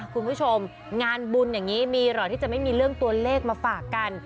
คุณผู้ชมงานบุญอย่างนี้มีเหรอที่จะไม่มีเรื่องตัวเลขมาฝากกัน